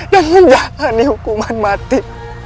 dan menjalani hukuman mati